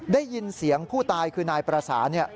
ได้ยินเสียงผู้ตายคือนายประสาน